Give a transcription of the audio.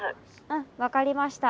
うん分かりました。